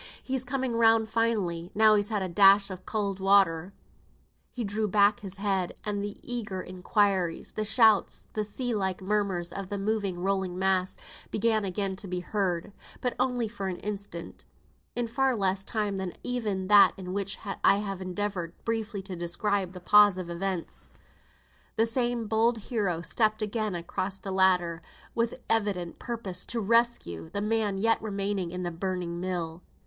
"He's coming round finely, now he's had a dash of cowd water." He drew back his head; and the eager inquiries, the shouts, the sea like murmurs of the moving rolling mass began again to be heard but for an instant though. In far less time than even that in which I have endeavoured briefly to describe the pause of events, the same bold hero stepped again upon the ladder, with evident purpose to rescue the man yet remaining in the burning mill.